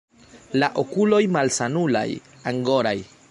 La okuloj malsanulaj, angoraj.